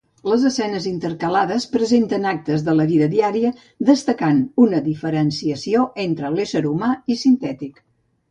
Les escenes intercalades presenten actes de la vida diària, destacant una diferenciació entre l'ésser humà i sintètic.